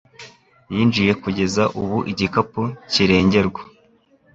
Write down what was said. yinjiye kugeza ubu igikapu kirengerwa